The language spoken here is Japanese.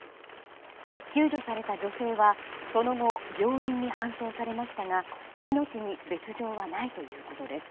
救助された女性は、その後病院に搬送されましたが命に別条はないということです。